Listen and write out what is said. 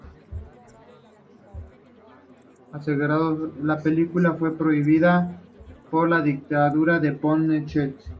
La película fue prohibida durante la dictadura de Pinochet.